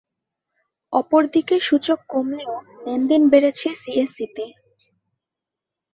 অপর দিকে সূচক কমলেও লেনদেন বেড়েছে সিএসইতে।